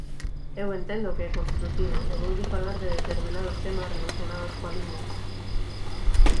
Eu entendo que é construtivo, e voulle falar de determinados temas relacionados coa lingua.